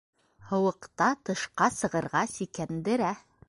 Һыуыҡта тышҡа сығырга сикәндерә.